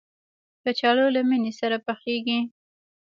کچالو له مېنې سره پخېږي